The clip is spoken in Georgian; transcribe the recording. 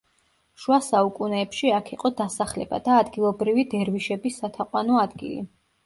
შუა საუკუნეებში აქ იყო დასახლება და ადგილობრივი დერვიშების სათაყვანო ადგილი.